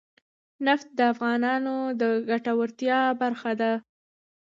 نفت د افغانانو د ګټورتیا برخه ده.